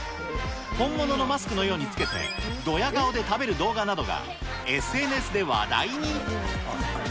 本物のマスクのように着けて、ドヤ顔で食べる動画などがＳＮＳで話題に。